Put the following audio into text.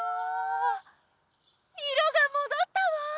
いろがもどったわ！